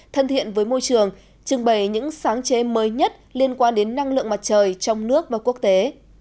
thân thiện với môi trường trưng bày những sáng chế mới nhất liên quan đến năng lượng mặt trời trong nước và quốc tế